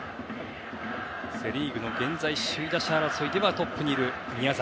セ・リーグの現在、首位打者争いではトップにいる宮崎。